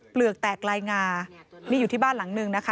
แตกลายงานี่อยู่ที่บ้านหลังนึงนะคะ